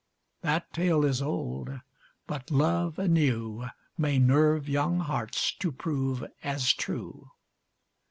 That tale is old, but love anew May nerve young hearts to prove as true.